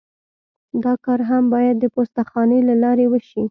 دا کار هم باید د پوسته خانې له لارې وشي